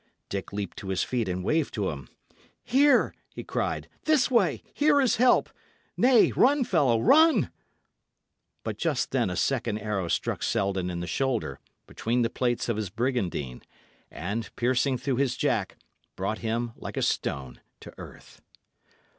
Dick leaped to his feet and waved to him. "Here!" he cried. "This way! here is help! Nay, run, fellow run!" But just then a second arrow struck Selden in the shoulder, between the plates of his brigandine, and, piercing through his jack, brought him, like a stone, to earth.